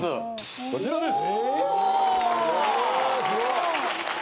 こちらです！